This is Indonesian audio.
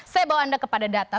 saya bawa anda kepada data